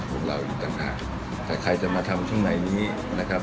ของเราอีกต่างหากแต่ใครจะมาทำข้างในนี้นะครับ